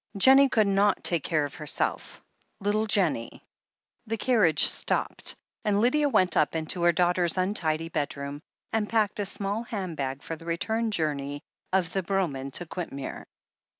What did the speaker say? Jennie could not take care of herself — ^little Jennie ! The carriage stopped, and Lydia went up into her daughter's untidy bedroom, and packed a small hand bag for the return journey of the brougham to Quint mere.